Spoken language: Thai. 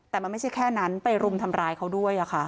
แต่มันไม่ใช่แค่นั้นไปรุมทำร้ายเขาด้วย